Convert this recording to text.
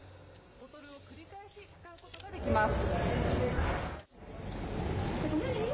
ボトルを繰り返し使うことができます。